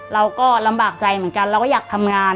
เราก็ลำบากใจเหมือนกันเราก็อยากทำงาน